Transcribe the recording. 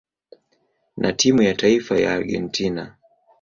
na timu ya taifa ya Argentina.